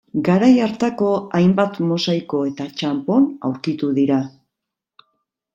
Garai hartako hainbat mosaiko eta txanpon aurkitu dira.